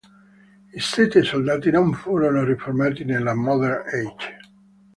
I Sette Soldati non furono riformati nella Modern Age.